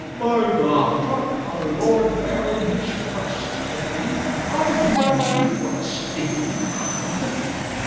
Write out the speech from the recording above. "By the Heart our Lord bare in his breast," quoth he, "are ye weeping for a stinking hound?